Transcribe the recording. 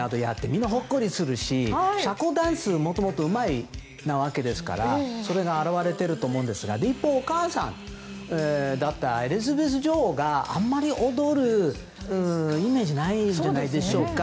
みんなほっこりするし社交ダンスはもともとうまいですからそれが表れてると思うんですが一方、お母さんだったエリザベス女王があまり踊るイメージないんじゃないでしょうか。